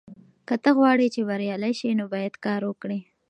که ته غواړې چې بریالی شې نو باید کار وکړې.